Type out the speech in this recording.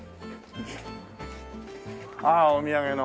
ああお土産の。